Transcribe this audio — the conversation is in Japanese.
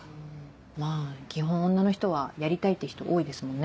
まぁ基本女の人はやりたいって人多いですもんね。